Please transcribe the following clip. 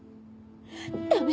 ダメ！